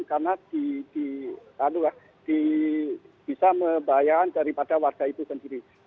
karena bisa membahayakan daripada warga itu sendiri